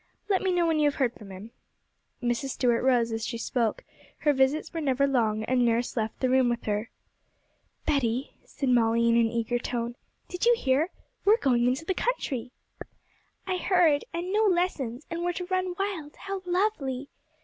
Let me know when you have heard from him.' Mrs. Stuart rose as she spoke; her visits were never long, and nurse left the room with her. 'Betty,' said Molly, in an eager tone, 'did you hear? We're going into the country.' 'I heard; and no lessons, and we're to run wild; how lovely!'